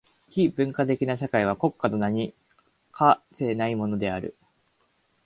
非文化的な社会は国家の名に価せないものである。